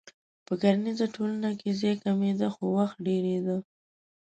په کرنیزه ټولنه کې ځای کمېده خو وخت ډېرېده.